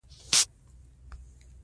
د نجونو تعلیم کلیواله همکاري پیاوړې کوي.